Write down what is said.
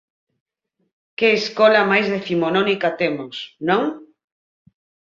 Que escola máis decimonónica temos, ¿non?